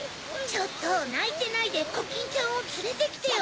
ちょっとないてないでコキンちゃんをつれてきてよ！